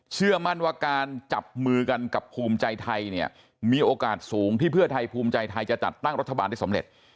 เชื่อมั่นว่าการจับมือกันกับภูมิใจไทยเนี่ยมีโอกาสสูงที่เพื่อไทยภูมิใจไทยจะจัดตั้งรัฐบาลได้สำเร็จ